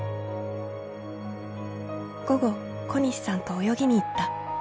「午後小西さんと泳ぎに行った。